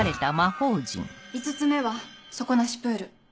５つ目は「底なしプール」。